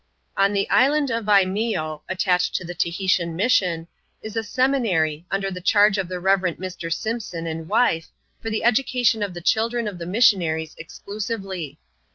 On the island of Imeeo (attached to the Tahitian mission) is a seminary, under the charge of the Rev. Mr. Simpson and wife, for the education of the children of the missionaries exclusively.